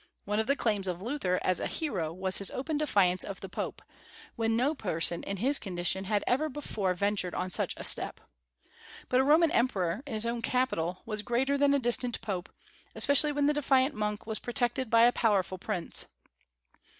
One of the claims of Luther as a hero was his open defiance of the Pope, when no person in his condition had ever before ventured on such a step. But a Roman emperor, in his own capital, was greater than a distant Pope, especially when the defiant monk was protected by a powerful prince.